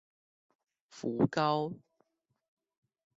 福高